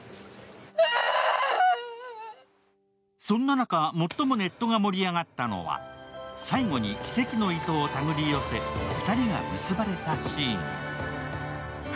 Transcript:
そんな中、最もネット盛り上がったのは、最後に奇跡の糸を手繰りよせ、２人が結ばれたシーン。